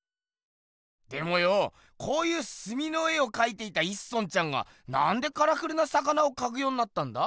でもよこういうすみの絵をかいていた一村ちゃんがなんでカラフルな魚をかくようになったんだ？